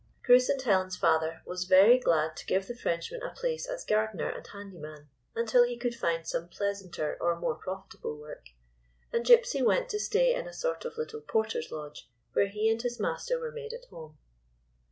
Chris and Helen's father was very glad to give the French man a place as gardener and handy man until he could find some pleasanter or more profitable work, and Gypsy went to stay in a sort of little porters lodge, where he and his master were made at home.